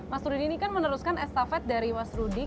mas rudini ini kan meneruskan estafet dari mas rudini